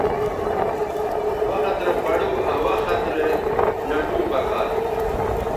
وخت رے پڑو آ وخت رے نَٹو پکار تھو